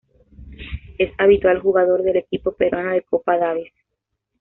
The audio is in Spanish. Es habitual jugador del equipo peruano de Copa Davis.